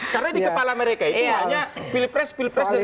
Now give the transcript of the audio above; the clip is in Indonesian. karena di kepala mereka itu hanya pilpres pilpres